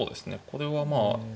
これはまあ。